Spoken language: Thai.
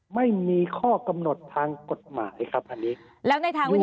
ไม่มีข้อกำหนดทางกฎหมายครับอันนี้